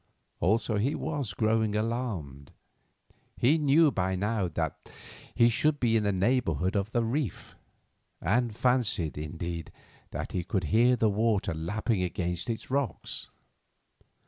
Also, he was growing alarmed. He knew that by now he should be in the neighbourhood of the reef, and fancied, indeed, that he could hear the water lapping against its rocks.